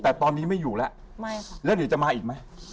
แต่ตอนนี้ไม่อยู่แล้วไม่ค่ะแล้วเดี๋ยวจะมาอีกไหม